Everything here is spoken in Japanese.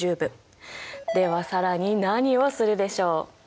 では更に何をするでしょう？